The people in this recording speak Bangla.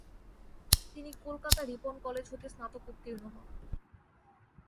তিনি কোলকাতা রিপন কলেজ হতে স্নাতক উত্তীর্ণ হন।